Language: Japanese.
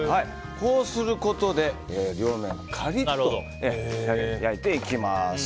こうすることで両面カリッと焼いていきます。